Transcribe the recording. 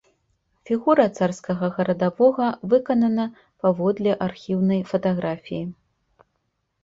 Фігура царскага гарадавога выканана паводле архіўнай фатаграфіі.